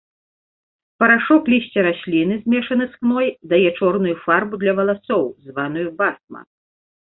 Парашок лісця расліны, змяшаны з хной, дае чорную фарбу для валасоў, званую басма.